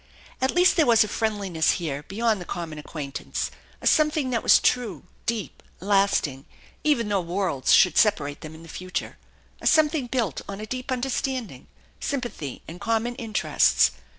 At least there was a friendliness here beyond the common acquaintance, a something that was true, deep, lasting, even though worlds should separate them in the future; a something built on a deep understanding, sympathy and common interests.